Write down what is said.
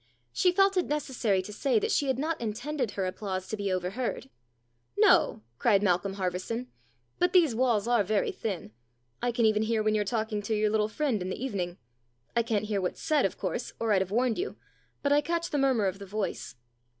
She felt it necessary to say that she had not intended her applause to be overheard. " No," cried Malcolm Harverson, " but these walls are very thin. I can even hear when you're talking to your little friend in the evening. I can't hear THE DOLL 179 what's said, of course, or I'd have warned you, but I catch the murmur of the voice."